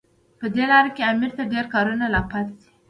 په دې لاره کې امیر ته ډېر کارونه لا پاتې وو.